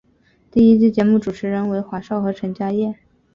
第一季节目主持人为华少和陈嘉桦。